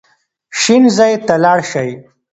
شین ځای ته لاړ شئ.